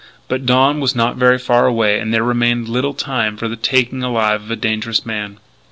But dawn was not very far away and there remained little time for the taking alive of a dangerous man.